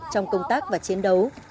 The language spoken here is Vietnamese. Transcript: trong công tác và chiến đấu